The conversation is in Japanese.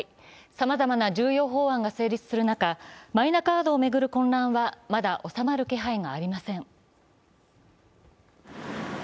さまざまな重要法案が成立する中、マイナカードを巡る混乱はまだ収まる気配がありません。